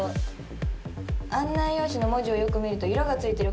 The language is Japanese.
「案内用紙の文字をよく見ると色が付いてる箇所が」